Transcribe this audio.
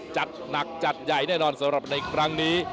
จัดหนักจัดใหญ่แน่นอนสำหรับในครั้งนี้